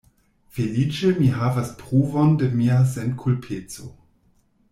Feliĉe mi havas pruvon de mia senkulpeco.